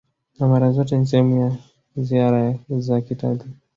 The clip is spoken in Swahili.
na mara zote ni sehemu ya ziara za kitalii